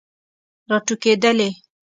راټوکیدلې